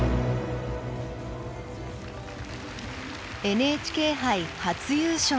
ＮＨＫ杯初優勝へ。